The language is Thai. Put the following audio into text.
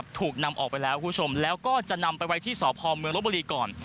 ถูกนำออกไปแล้วคุณผู้ชมแล้วก็จะนำไปไว้ที่สพเมืองลบบุรีก่อน